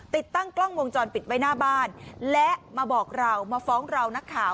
ติดตั้งกล้องวงจรปิดไว้หน้าบ้านและมาบอกเรามาฟ้องเรานักข่าว